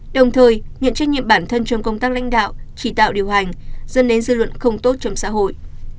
đồng thời nhận trách nhiệm bản thân trong công tác lãnh đạo chỉ đạo điều hành dẫn đến dư luận không tốt trong xã hội